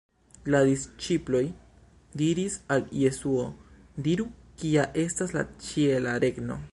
La disĉiploj diris al Jesuo: “Diru kia estas la ĉiela regno”.